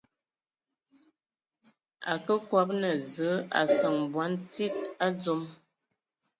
Akǝ kɔb naa Zǝǝ a seŋe bɔn tsíd a dzom.